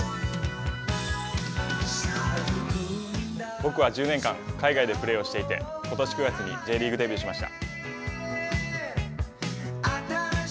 僕は１０年間、海外でプレーをしていて今年９月にＪリーグデビューしました。